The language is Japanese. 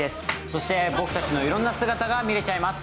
そして、僕たちのいろんな姿が見れちゃいます。